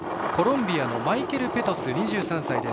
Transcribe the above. コロンビアのマイケル・ペトス、２３歳。